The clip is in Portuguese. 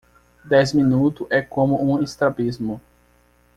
Dez minutos é como um estrabismo